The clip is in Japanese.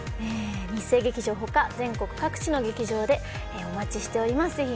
日生劇場他全国各地の劇場でお待ちしております。